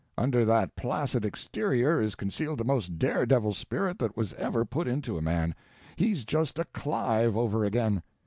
Under that placid exterior is concealed the most dare devil spirit that was ever put into a man—he's just a Clive over again.